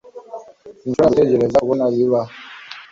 Sinshobora gutegereza kubona bibaho